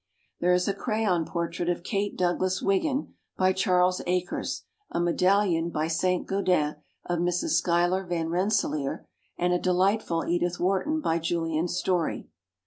There is a crayon portrait of Kate Douglas Wiggin, by Charles Akers, a medallion by Saint Gaudens of Mrs. Schuyler Van Rensselaer, and a delightful Edith Wharton by Julian Story.